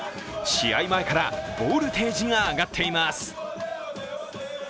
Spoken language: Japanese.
試合前からボルテージが上がっています。